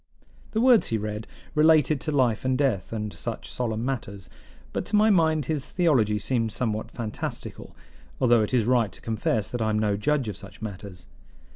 The words he read related to life and death, and such solemn matters; but to my mind his theology seemed somewhat fantastical, although it is right to confess that I am no judge of such matters.